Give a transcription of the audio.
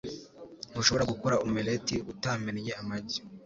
Ntushobora gukora omelette utamennye amagi.